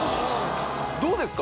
どうですか？